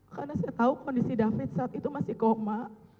karena saya tahu kondisi david saat itu masih koma